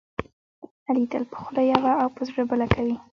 علي تل په خوله یوه او په زړه بله کوي.